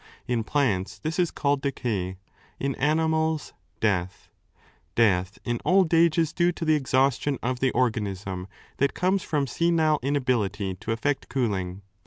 In plants this is called decay ; in animals, death. Death in old age is due to the exhaustion of the organism that comes from senile inability to effect cooling.